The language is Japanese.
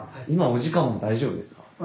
今お時間も大丈夫ですか？